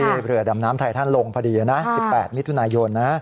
พี่ระดำน้ำไทยถ้านลงพอดีนะ๑๘มิย